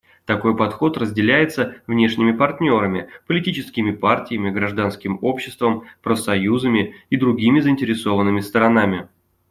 Такой подход разделяется внешними партнерами, политическими партиями, гражданским общество, профсоюзами и другими заинтересованными сторонами.